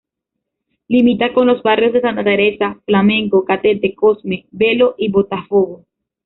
Limita con los barrios de Santa Teresa, Flamengo, Catete, Cosme Velho y Botafogo.